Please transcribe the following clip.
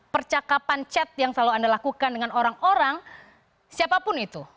percakapan chat yang selalu anda lakukan dengan orang orang siapapun itu